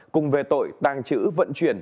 cùng về tội tàng trữ vận chuyển